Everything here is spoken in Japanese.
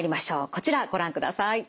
こちらご覧ください。